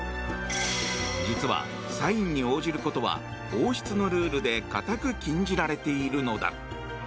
実は、サインに応じることは王室のルールで固く禁じられているのだ。